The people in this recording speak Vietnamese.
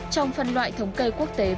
trong phân loại thống kê quốc tế về game